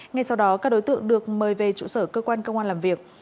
ngay sau đó các đối tượng được mời về trụ sở cơ quan công an làm việc